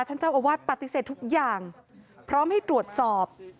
ท่านเจ้าอาวาสปฏิเสธทุกอย่างพร้อมให้ตรวจสอบ